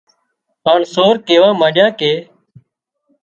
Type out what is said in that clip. هانَ سور ڪيوا مانڏيا ڪي